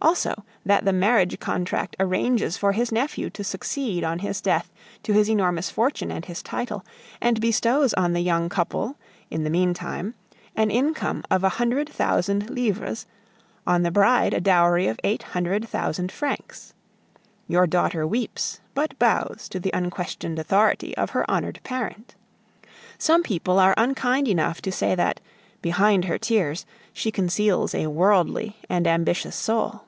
Also, that the marriage contract arranges for his nephew to succeed on his death to his enormous fortune and his title, and bestows on the young couple in the meantime an income of a hundred thousand livres, on the bride a dowry of eight hundred thousand francs. Your daughter weeps, but bows to the unquestioned authority of her honored parent. Some people are unkind enough to say that, behind her tears, she conceals a worldly and ambitious soul.